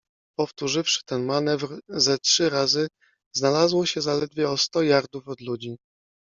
Powtórzywszy ten manewr ze trzy razy, znalazło się zaledwie o sto jardów od ludzi.